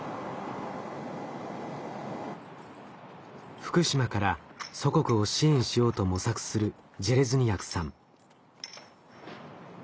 福島から祖国を支援しようと模索するジェレズニヤクさん。